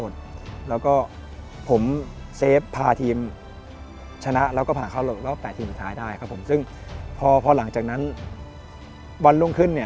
ซึ่งพอหลังจากนั้นวันต้องขึ้น